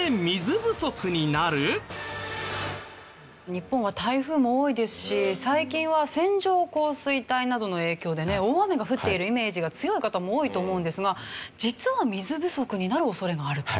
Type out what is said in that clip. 日本は台風も多いですし最近は線状降水帯などの影響でね大雨が降っているイメージが強い方も多いと思うんですが実は水不足になる恐れがあると。